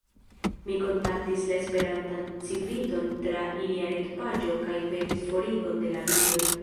Mi kontaktis la Esperantan Civiton tra ilia retpaĝo kaj petis forigon de la bildoj.